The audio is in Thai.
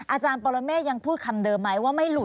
อาจารย์ปรเมฆยังพูดคำเดิมไหมว่าไม่หลุด